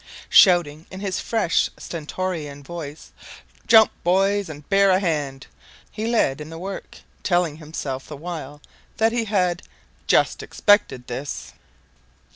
Shouting in his fresh, stentorian voice, "Jump, boys, and bear a hand!" he led in the work, telling himself the while that he had "just expected this."